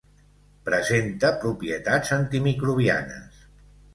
Presenta propietats antimicrobianes.